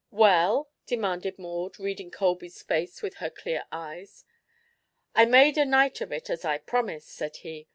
"Well?" demanded Maud, reading Colby's face with her clear eyes. "I made a night of it, as I promised," said he.